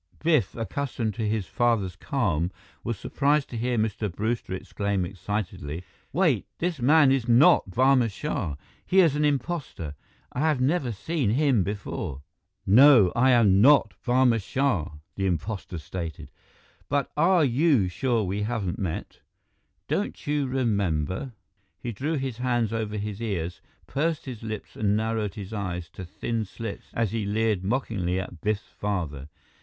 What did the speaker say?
Biff, accustomed to his father's calm, was surprised to hear Mr. Brewster exclaim excitedly, "Wait! This man is not Barma Shah. He is an impostor! I have never seen him before!" "No, I am not Barma Shah," the impostor stated. "But are you sure we haven't met? Don't you remember " He drew his hands over his ears, pursed his lips and narrowed his eyes to thin slits as he leered mockingly at Biff's father.